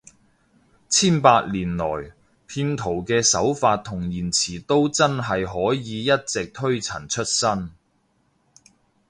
千百年來，騙徒嘅手法同言辭都真係可以一直推陳出新